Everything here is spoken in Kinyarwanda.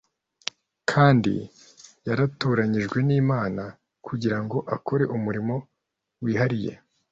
kandi yaratoranyijwe n’Imana kugira ngo akore umurimo wihariye,